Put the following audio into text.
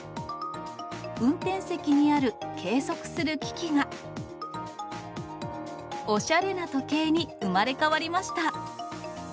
運転席にある計測する機器が、おしゃれな時計に生まれ変わりました。